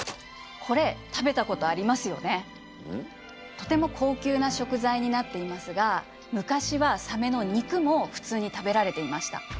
とても高級な食材になっていますが昔はサメの肉も普通に食べられていました。